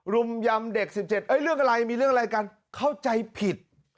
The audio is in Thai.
รุมยำเด็ก๑๗เรื่องอะไรมีเรื่องอะไรกันเข้าใจผิด